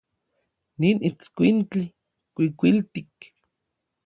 Nin itskuintli kuikuiltik.